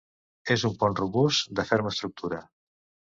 És un pont robust, de ferma estructura.